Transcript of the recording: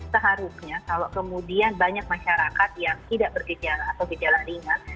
seharusnya kalau kemudian banyak masyarakat yang tidak bergejala atau gejala ringan